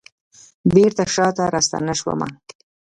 بیرته شاته راستنه شومه